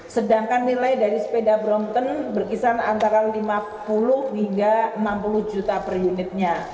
sedangkan nilai dari sepeda brompton berkisar antara lima puluh hingga enam puluh juta per unitnya